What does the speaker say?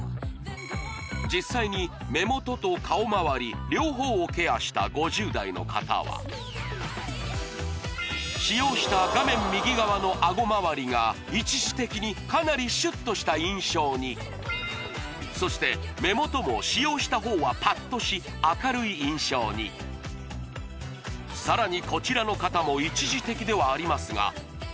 実際に目元と顔まわり両方をケアした５０代の方は使用した画面右側のあごまわりが一時的にかなりシュッとした印象にそして目元も使用した方はパッとし明るい印象にさらにこちらの方も一時的ではありますが使用した画面右側の口元がキュッとし